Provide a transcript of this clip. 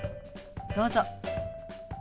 どうぞ。